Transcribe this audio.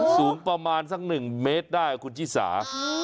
สูงประมาณสัก๑เมตรได้คุณชิสา